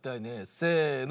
せの。